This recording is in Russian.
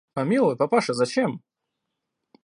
Помилуй, папаша, зачем?